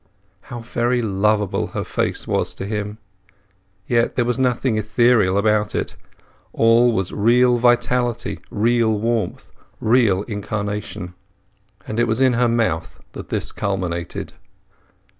How very lovable her face was to him. Yet there was nothing ethereal about it; all was real vitality, real warmth, real incarnation. And it was in her mouth that this culminated.